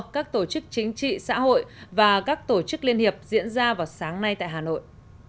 các tổ chức chính trị xã hội và các tổ chức liên hiệp diễn ra vào sáng nay tại hà nội